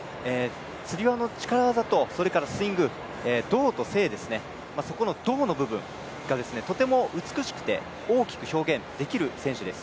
つり輪の力技とそれからスイング動と静のそこの動の部分が、とても美しく大きく表現できる選手です。